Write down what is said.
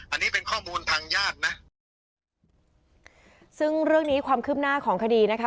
อันนี้เป็นข้อมูลทางญาตินะซึ่งเรื่องนี้ความคืบหน้าของคดีนะคะ